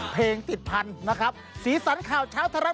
เพลงติดพันธุ์นะครับสีสันข่าวเช้าไทยรัฐ